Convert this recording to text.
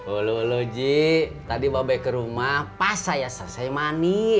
ulu ulu ji tadi bawa bayi ke rumah pas saya selesai mandi